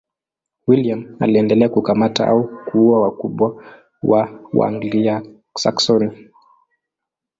William aliendelea kukamata au kuua wakubwa wa Waanglia-Saksoni.